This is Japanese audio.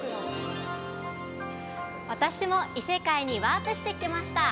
◆私も異世界にワープしてきました。